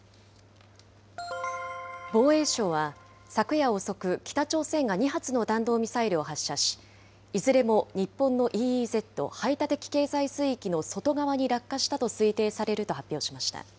防衛省は、昨夜遅く、北朝鮮が２発の弾道ミサイルを発射し、いずれも日本のＥＥＺ・排他的経済水域の外側に落下したと推定されると発表しました。